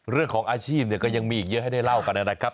เรื่องของอาชีพเนี่ยก็ยังมีอีกเยอะให้ได้เล่ากันนะครับ